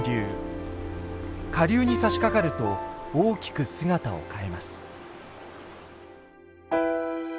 下流にさしかかると大きく姿を変えます。